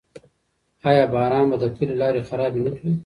آیا باران به د کلي لارې خرابې نه کړي؟